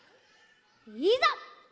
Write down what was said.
いざ！